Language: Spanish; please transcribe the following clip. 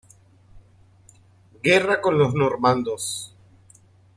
Guerra con los normandos.